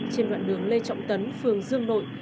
trên đoạn đường lê trọng tấn phường dương nội